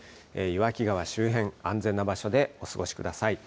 岩木川周辺、安全な場所でお過ごしください。